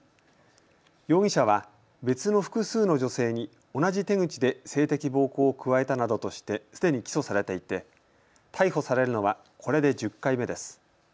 容疑者は別の複数の女性に同じ手口で性的暴行を加えたなどとしてすでに起訴されていて逮捕されるのはこれで１０回目です。